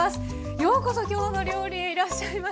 ようこそ「きょうの料理」へいらっしゃいました。